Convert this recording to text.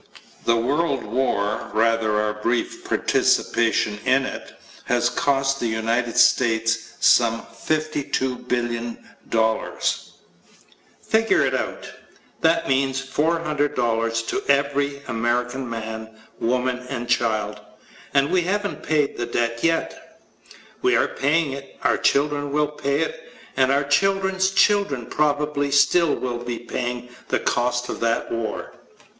The World War, rather our brief participation in it, has cost the United States some $52,000,000,000. Figure it out. That means $400 to every American man, woman, and child. And we haven't paid the debt yet. We are paying it, our children will pay it, and our children's children probably still will be paying the cost of that war.